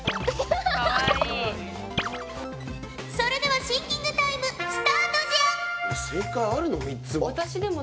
それではシンキングタイムスタートじゃ！